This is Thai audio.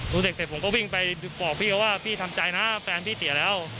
เสร็จเสร็จผมก็วิ่งไปบอกพี่เขาว่าพี่ทำใจนะแฟนพี่เสียแล้ว